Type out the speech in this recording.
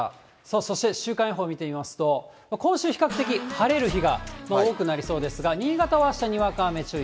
そして、週間予報見てみますと、今週、比較的晴れる日が多くなりそうですが、新潟はあしたにわか雨注意。